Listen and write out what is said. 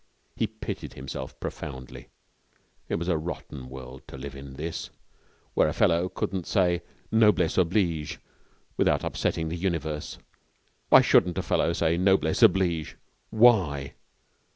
He pitied himself profoundly. It was a rotten world to live in, this, where a fellow couldn't say noblesse oblige without upsetting the universe. Why shouldn't a fellow say noblesse oblige? Why